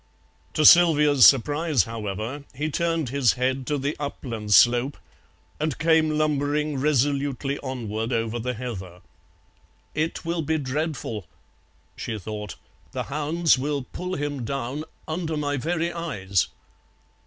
To Sylvia's surprise, however, he turned his head to the upland slope and came lumbering resolutely onward over the heather. "It will be dreadful," she thought, "the hounds will pull him down under my very eyes."